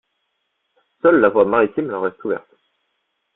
Seule la voie maritime leur reste ouverte.